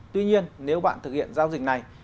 tuy nhiên nếu bạn thực hiện giao dịch này